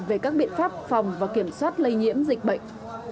về các biện pháp phòng và kiểm soát lây nhiễm dịch bệnh